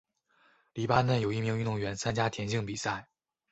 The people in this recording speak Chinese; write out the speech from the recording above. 黎巴嫩有一名运动员参加田径比赛。